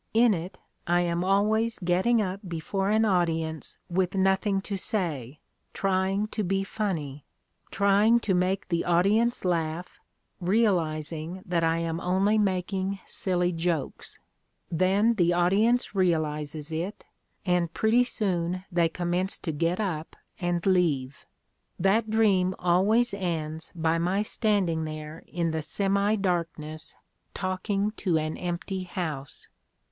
In it I am always getting up before an audience with nothing to say, trying to be funny ; trying to make the audience laugh, realizing that I am only making siUy jokes. Then the audience realizes it, and pretty soon they commence to get up and leave. That dream always ends by my standing there in the semi darkness talking to an empty house."